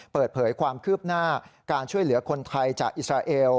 เปิดเผยความคืบหน้าการช่วยเหลือคนไทยจากอิสราเอล